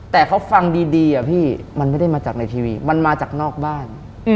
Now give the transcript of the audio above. แต่เขาฟังดีอะพี่มันไม่ได้มาจากในทีวีมันมาจากนอกบ้าน